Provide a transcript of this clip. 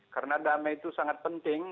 karena damai itu sangat penting